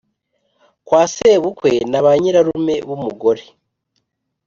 kwa sebukwe na ba nyirarume b' umugore,